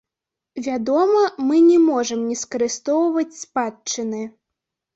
Вядома, мы не можам не скарыстоўваць спадчыны.